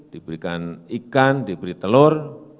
diberikan ikan diberi telur